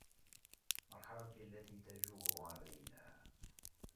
مرحبا بالتي تجور علينا